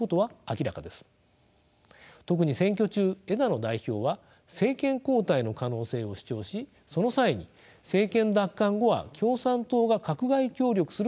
特に選挙中枝野代表は政権交代の可能性を主張しその際に政権奪還後は共産党が閣外協力すると踏み込んで発言しました。